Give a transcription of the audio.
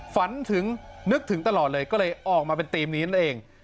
ฝันถึงนึกถึงตลอดเลยก็เลยออกมาเป็นธีมนี้นั่นเอง